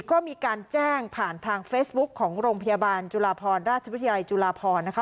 ก็มีการแจ้งผ่านทางเฟซบุ๊คของโรงพยาบาลจุฬาพรราชวิทยาลัยจุฬาพรนะคะ